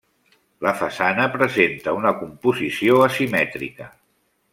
La façana presenta una composició asimètrica.